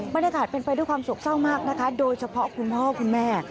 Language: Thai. บรรยากาศเป็นไปด้วยความโศกเศร้ามากนะคะโดยเฉพาะคุณพ่อคุณแม่